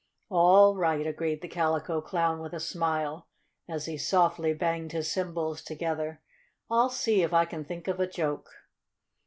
"All right," agreed the Calico Clown, with a smile, as he softly banged his cymbals together. "I'll see if I can think of a joke."